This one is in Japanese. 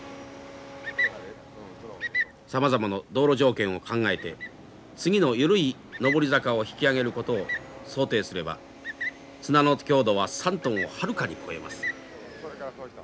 さまざまの道路条件を考えて次の緩い上り坂を引き上げることを想定すれば綱の強度は３トンをはるかに超えます。